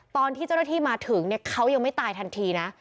ตอนที่เจ้าหน้าที่มาถึงเนี่ยเขายังไม่ตายทันทีนะ